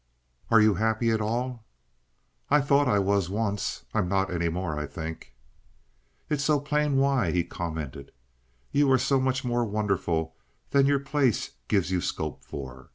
"Are you happy at all?" "I thought I was once. I'm not any more, I think." "It is so plain why," he commented. "You are so much more wonderful than your place gives you scope for.